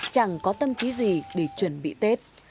chẳng có tâm trí gì để chuẩn bị tết